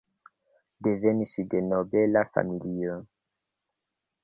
Devenis de nobela familio.